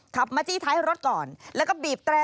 ขับมาจี้ท้ายรถก่อนแล้วก็บีบแตร่